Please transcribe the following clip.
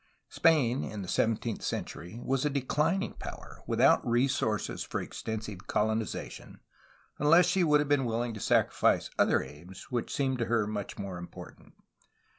Spain in the seventeenth century was a declining power, without resources for extensive colonization unless she would have been wilHng to sacrifice other aims which seemed to her much more important.